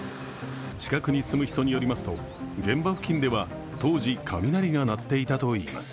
近くに住む人によりますと現場付近では当時雷が鳴っていたといいます。